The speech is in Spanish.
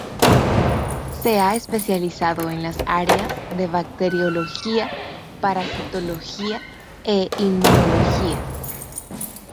Se ha especializado en las áreas de Bacteriología, Parasitología e Inmunología.